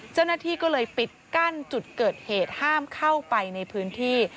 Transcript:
เจ้าหน้าที่ก็เลยปิดกั้นจุดเกิดเหตุห้ามเข้าไปในพื้นที่